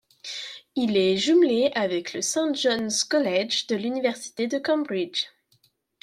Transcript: Il est jumelé avec le St Johns' College de l'université de Cambridge.